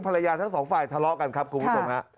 ภรรยาทั้งสองฝ่ายทะเลาะกันครับคุณตกลง